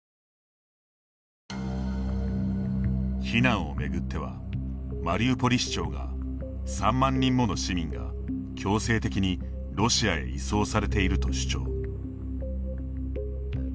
避難を巡ってはマリウポリ市長が３万人もの市民が強制的にロシアへ移送されていると主張。